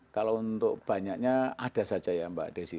kalau untuk banyaknya ada saja ya mbak desi